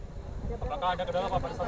apakah ada kedala apa di sana